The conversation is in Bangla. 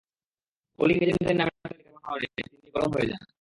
পোলিং এজেন্টদের নামের তালিকা সরবরাহ নিয়ে তিনি একটু গরম হয়ে যান।